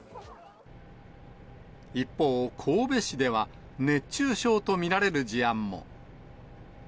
一方、神戸市では、熱中症と見られる事案も。